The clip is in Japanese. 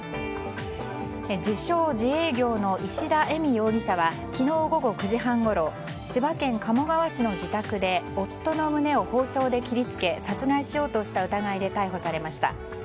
自称自営業の石田エミ容疑者は昨日午後９時半ごろ千葉県鴨川市の自宅で夫の胸を包丁で切り付け殺害しようとした疑いで逮捕されました。